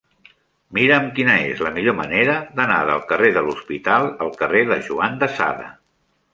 Mira'm quina és la millor manera d'anar del carrer de l'Hospital al carrer de Juan de Sada.